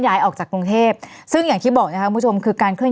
ย้ายออกจากกรุงเทพซึ่งอย่างที่บอกนะคะคุณผู้ชมคือการเคลื